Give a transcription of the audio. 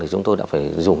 chúng tôi đã phải dùng